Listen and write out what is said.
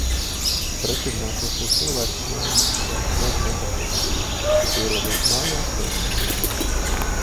Pretimnākošie cilvēki smaida, un es ceru nepaklupt. Es ierodos mājās pēcpusdienā.